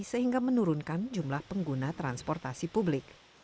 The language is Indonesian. sehingga menurunkan jumlah pengguna transportasi publik